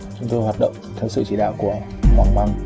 phương thức hoạt động theo sự chỉ đạo của hoàng măng